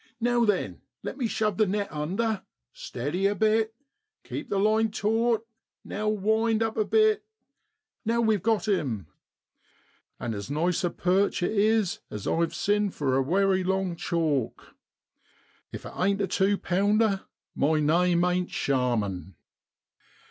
Now then, let me shove the net under; steady a bit keep the line taut, now wind up a bit. Now we've got him ! And as nice a perch it is as IV seen for a wery long chalk. If it ain't a tew pounder, my name ain't Sharman